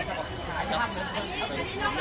สวัสดีทุกคน